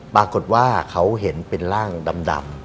ปรากฏว่าเขาเห็นเป็นร่างดำ